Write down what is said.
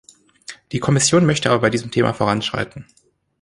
Die Kommission möchte aber bei diesem Thema voranschreiten.